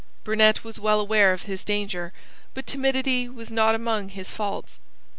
Burnet was well aware of his danger: but timidity was not among his faults.